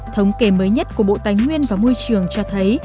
thống kể mới nhất của bộ tài nguyên và môi trường cho thấy